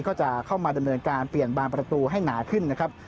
ก็จะเข้ามาดำเนินการเปลี่ยนบางประตูให้หนาขึ้นนะครับ